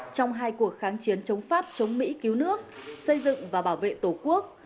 trong hai cuộc kháng chiến chống pháp chống mỹ cứu nước xây dựng và bảo vệ tổ quốc